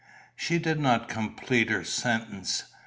She did not complete her sentence.